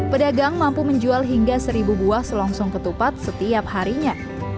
pedagang mampu menjual hingga seribu buah selongsong ketupat setiap harinya